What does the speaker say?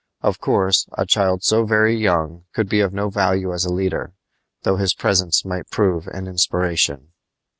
Of course, a child so very young could be of no value as a leader, though his presence might prove an inspiration.